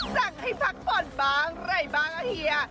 สั่งให้พักผ่อนบ้างอะไรบ้างอ่ะเฮีย